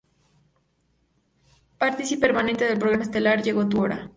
Partícipe permanentemente del programa estelar Llegó tu hora.